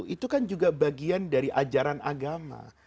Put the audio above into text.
itu kan juga bagian dari ajaran agama